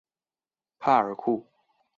帕尔库。